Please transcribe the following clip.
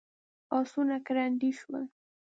آسونه ګړندي شول.